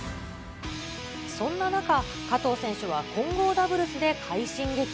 そんな中、加藤選手は混合ダブルスで快進撃。